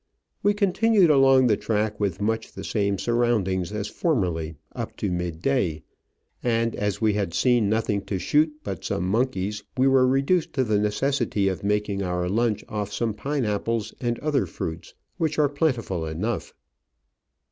We continued along the track with much the same surroundings as formerly up to mid day, and as we had seen nothing to shoot but some monkeys, we were re duced to the necessity of making our lunch off some pine apples and other fruits, which are plentiful Digitized by VjOOQIC 72 Travels and Adventures enough.